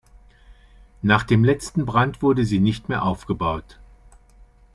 Nach dem letzten Brand wurde sie nicht mehr aufgebaut.